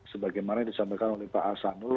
sebagaimana disampaikan oleh pak asanul